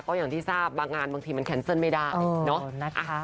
ก็อย่างที่ทราบบางงานบางทีมันแคนเซิลไม่ได้เนอะนะคะ